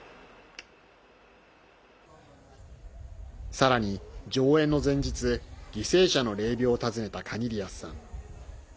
さらに、上演の前日犠牲者の霊びょうを訪ねたカニリヤスさん。